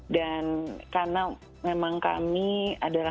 dan karena memang kami adalah